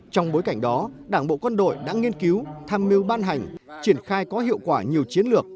trong bối cảnh đó đảng bộ quân đội đã nghiên cứu tham mưu ban hành triển khai có hiệu quả nhiều chiến lược